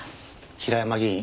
平山議員